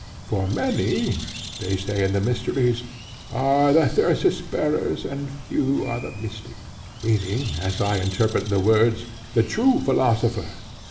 For 'many,' as they say in the mysteries, 'are the thyrsus bearers, but few are the mystics,'—meaning, as I interpret the words, 'the true philosophers.'